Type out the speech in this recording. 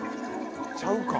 ちゃうか？